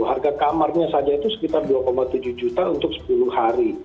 harga kamarnya saja itu sekitar dua tujuh juta untuk sepuluh hari